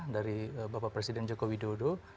dari bapak presiden joko widodo